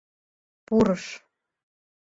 Пурыш.